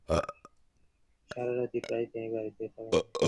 সারারাতই প্রায় তিনি বাড়িতেই থাকেন না।